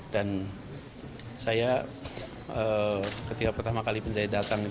saya ketika pertama kali penjahit datang